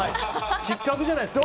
失格じゃないですか？